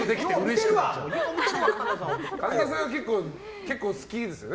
神田さんは結構好きですよね。